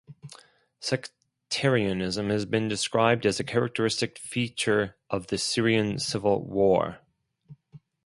Sectarianism has been described as a characteristic feature of the Syrian civil war.